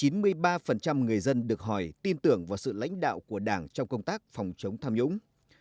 chín mươi ba người dân được hỏi tin tưởng vào sự lãnh đạo của đảng trong công tác phòng chống tham nhũng